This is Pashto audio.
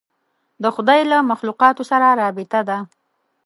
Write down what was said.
د خدای له مخلوقاتو سره رابطه ده.